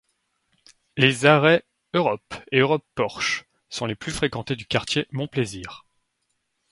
Les arrêts Europe et Europe Porche sont les plus fréquentés du quartier Monplaisir.